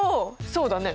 そうだね。